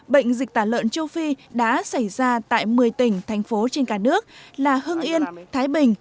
bệnh dịch tả lợn châu phi đã xảy ra tại một mươi tỉnh thành phố trên cả nước là hưng yên thái bình